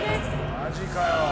マジかよ。